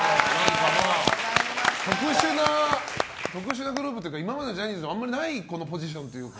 特殊なグループというか今までジャニーズではないこのポジションというか。